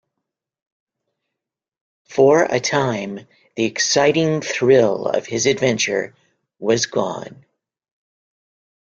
For a time the exciting thrill of his adventure was gone.